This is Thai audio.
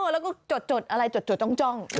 แล้วก็จดอะไรจดจ้อง